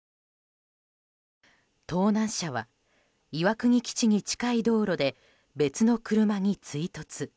盗難車は、岩国基地に近い道路で別の車に追突。